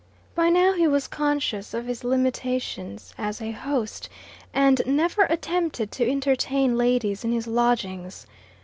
By now he was conscious of his limitations as a host, and never attempted to entertain ladies in his lodgings.